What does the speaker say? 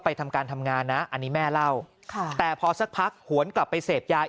ทำการทำงานนะอันนี้แม่เล่าค่ะแต่พอสักพักหวนกลับไปเสพยา